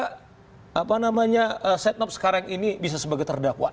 seti no panto sekarang ini bisa sebagai terdakwa